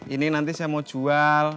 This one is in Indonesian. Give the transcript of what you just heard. ini nanti saya mau jual